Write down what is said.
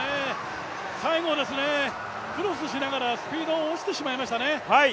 最後は、クロスしながらスピードが落ちてしまいましたね。